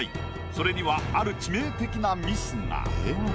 それにはある致命的なミスが。